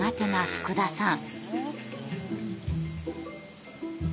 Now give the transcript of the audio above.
福田さん